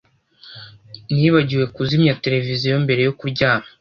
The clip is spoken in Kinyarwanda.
Nibagiwe kuzimya televiziyo mbere yo kuryama.